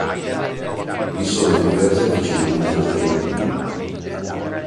Vi sono diversi avvicinamenti alternativi.